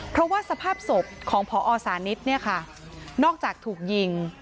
เพราะว่าสภาพศพของพอสานิทเนี่ยค่ะนอกจากถูกยิง